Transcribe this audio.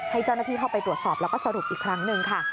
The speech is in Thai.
ให้เจ้าหน้าที่เข้าไปตรวจสอบแล้วก็สรุปอีกครั้งหนึ่งค่ะ